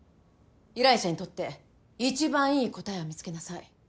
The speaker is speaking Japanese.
依頼者にとって一番いい答えを見つけなさい。